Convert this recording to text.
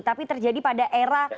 tapi terjadi pada era